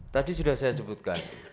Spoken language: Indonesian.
tadi sudah saya sebutkan